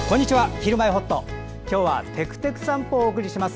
「ひるまえほっと」今日は「てくてく散歩」をお送りします。